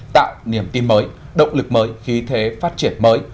tạo niềm tin mới động lực mới khí thế phát triển mới